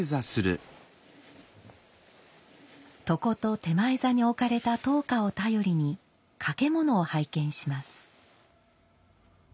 床と点前座に置かれた燈火を頼りに掛物を拝見します。